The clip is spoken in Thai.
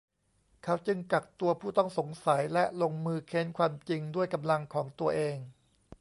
เขาจึงกักตัวผู้ต้องสงสัยและลงมือเค้นความจริงด้วยกำลังของตัวเอง